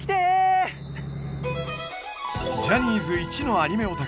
ジャニーズ１のアニメオタク